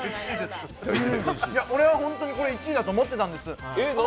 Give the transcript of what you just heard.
俺は本当にこれが１位だと思ってたんです。